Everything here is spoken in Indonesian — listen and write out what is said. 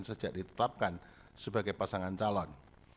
sejak ditetapkan sebagai pasangan calon